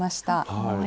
はい。